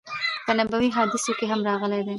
په نبوی حادثو کی هم راغلی دی